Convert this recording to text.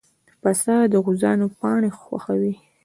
پسه د غوزانو پاڼې خوښوي.